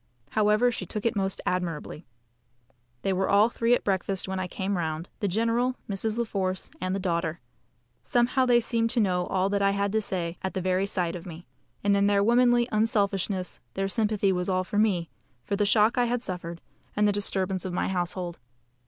However, she took it most admirably. They were all three at breakfast when I came round, the general, Mrs. La Force, and the daughter. Somehow they seemed to know all that I had to say at the very sight of me; and in their womanly unselfishness their sympathy was all for me, for the shock I had suffered, and the disturbance of my household.